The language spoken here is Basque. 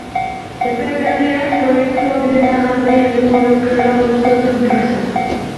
Epe berriak proiektua bideragarri egingo lukeela uste du enpresak.